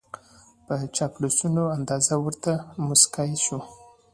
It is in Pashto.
په چاپلوسانه انداز ورته موسکای شو